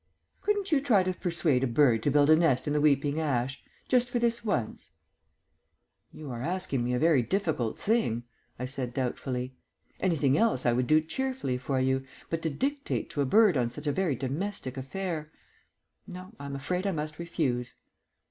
"Couldn't you try to persuade a bird to build a nest in the weeping ash? Just for this once?" "You're asking me a very difficult thing," I said doubtfully. "Anything else I would do cheerfully for you; but to dictate to a bird on such a very domestic affair No, I'm afraid I must refuse."